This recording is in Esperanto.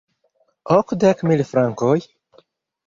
Okdek mil frankoj?